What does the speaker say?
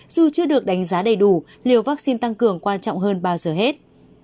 dù chưa được đánh giá đầy đủ liều vaccine tăng cường quan trọng hơn bao giờ hết